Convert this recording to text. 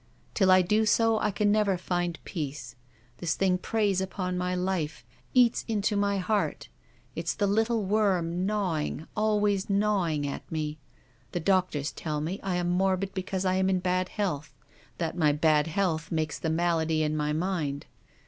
Till I do so I can never find peace. This thing preys upon my life, eats into my heart. It's the little worm gnawing, always gnawing at mc. The doctors tell me I am morbid because I am in bad health, that my bad health makes the malady in my mind.